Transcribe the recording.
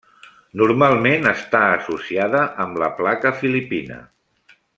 Normalment està associada amb la placa filipina.